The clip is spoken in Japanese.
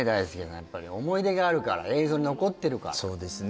やっぱり思い出があるから映像に残ってるからそうですね